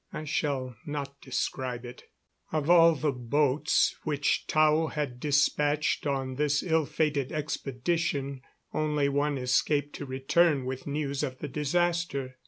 I shall not describe it. Of all the boats which Tao had dispatched on this ill fated expedition, only one escaped to return with news of the disaster.